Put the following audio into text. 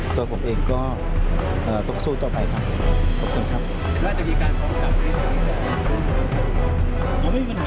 แต่ผมเองก็ต้องสู้ต่อไปครับ